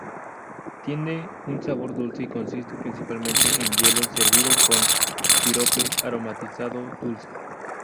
Tiene un sabor dulce y consiste principalmente en hielo servido con sirope aromatizado dulce.